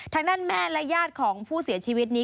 ทางด้านแม่และญาติของผู้เสียชีวิตนี้